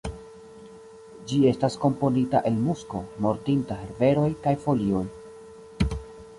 Ĝi estas komponita el musko, mortinta herberoj kaj folioj.